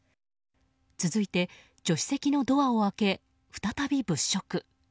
続いて、助手席のドアを開け再び物色。